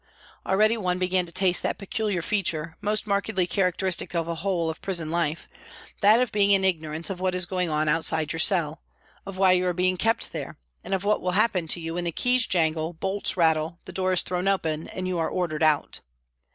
Already one began to taste that peculiar feature, most markedly characteristic of the whole of prison life, that of being in ignorance of what is going on outside your cell, of why you are being kept there, and of what will happen to you when the keys jangle, bolts rattle, the door is thrown open and you are ordered out.